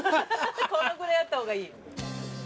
このぐらいあった方がいい。